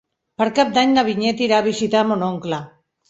Per Cap d'Any na Vinyet irà a visitar mon oncle.